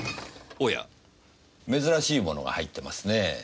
おや珍しいものが入ってますねえ。